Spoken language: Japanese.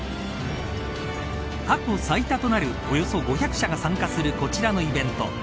過去最多となるおよそ５００社が参加するこちらのイベント。